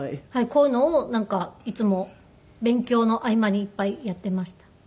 こういうのをなんかいつも勉強の合間にいっぱいやっていました。